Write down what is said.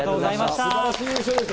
素晴らしい優勝です！